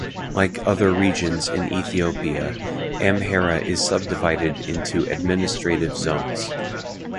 Like other Regions in Ethiopia, Amhara is subdivided into administrative zones.